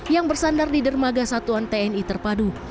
yang bersandar di dermaga satuan tni terpadu